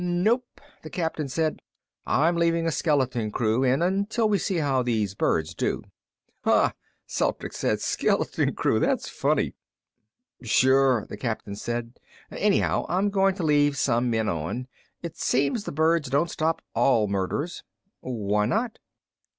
"Nope," the captain said. "I'm leaving a skeleton crew in until we see how these birds do." "Hah," Celtrics said. "Skeleton crew. That's funny." "Sure," the captain said. "Anyhow, I'm going to leave some men on. It seems the birds don't stop all murders." "Why not?"